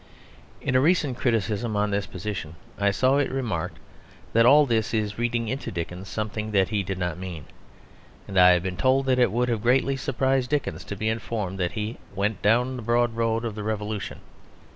In a recent criticism on this position I saw it remarked that all this is reading into Dickens something that he did not mean; and I have been told that it would have greatly surprised Dickens to be informed that he "went down the broad road of the Revolution."